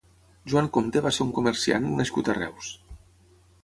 Joan Compte va ser un comerciant nascut a Reus.